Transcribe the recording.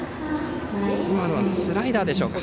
今のスライダーでしょうか。